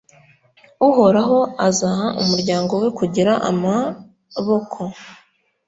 uhoraho azaha umuryango we kugira amaboko